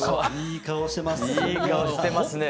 いい顔してますね。